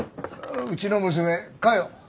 うちの娘佳代。